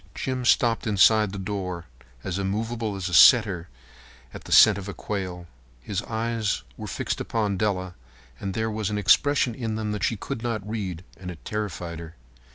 Jim stopped inside the door, as immovable as a setter at the scent of quail. His eyes were fixed upon Della, and there was an expression in them that she could not read, and it terrified her.